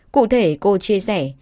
cụ thể cô chia sẻ